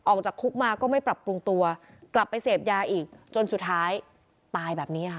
ออกจากคุกมาก็ไม่ปรับปรุงตัวกลับไปเสพยาอีกจนสุดท้ายตายแบบนี้ค่ะ